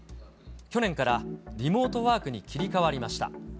去年からリモートワークに切り替わりました。